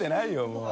もう。